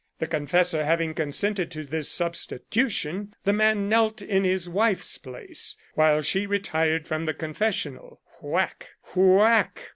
The confessor having consented to this substitution, the man knelt in his wife's place, while she retired from the confessional. Whack ! whack